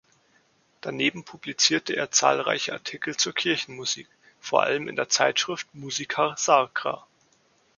Daneben publizierte er zahlreiche Artikel zur Kirchenmusik, vor allem in der Zeitschrift "Musica sacra".